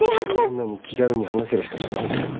そんなに気軽に話せる人じゃないから。